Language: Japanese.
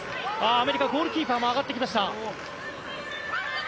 アメリカ、ゴールキーパーも上がってきました。